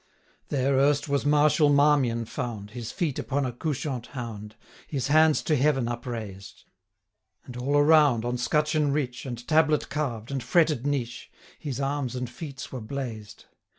There erst was martial Marmion found, His feet upon a couchant hound, 1100 His hands to Heaven upraised; And all around, on scutcheon rich, And tablet carved, and fretted niche, His arms and feats were blazed.